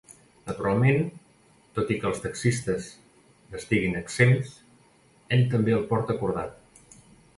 Naturalment, tot i que els taxistes n'estiguin exempts, ell també el porta cordat.